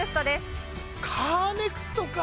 カーネクストか！